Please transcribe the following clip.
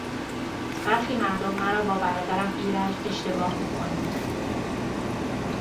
برخی مردم مرا با برادرم ایرج اشتباه می کنند.